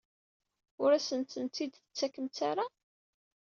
Ur asen-ten-id-tettakemt ara?